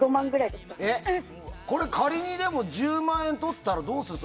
これ、仮に１０万円とったらどうするの？